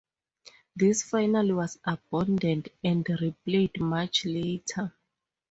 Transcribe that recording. This final was abandoned and replayed much later.